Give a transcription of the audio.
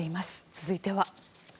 続いては。